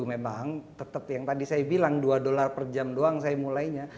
memang tetap yang tadi saya bilang dua dolar per jam doang saya mulainya